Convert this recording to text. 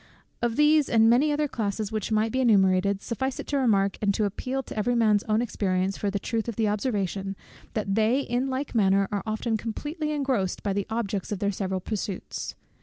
Of these and many other classes which might be enumerated, suffice it to remark, and to appeal to every man's own experience for the truth of the observation, that they in like manner are often completely engrossed by the objects of their several pursuits.